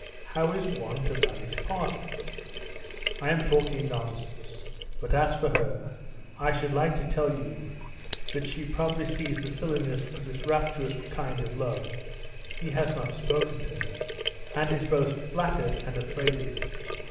"How is one to vanish partly?" "I am talking nonsense. But as for her, I should like to tell you that she probably sees the silliness of this rapturous kind of love (he has not spoken to her), and is both flattered and afraid of it.